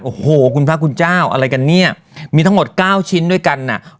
โอ้โหคุณพระคุณเจ้าอะไรกันเนี่ยมีทั้งหมดเก้าชิ้นด้วยกันอ่ะ